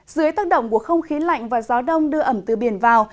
dưới tác động của không khí lạnh và gió đông đưa ẩm từ biển vào